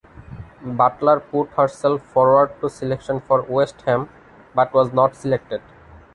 Butler put herself forward for selection for West Ham but was not selected.